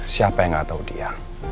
siapa yang gak tau dia